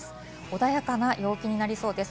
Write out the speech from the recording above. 穏やかな陽気になりそうです。